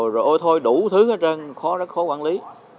rồi thôi đủ thứ hết trơn khó rất khó quản lý